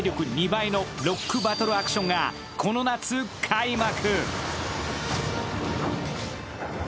２倍のロック・バトル・アクションがこの夏開幕。